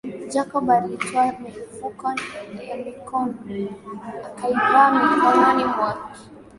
Jacob alitoa mifuko ya mikono akaivaa mikononi mwake